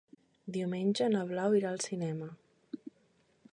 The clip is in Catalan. Diumenge na Blau irà al cinema.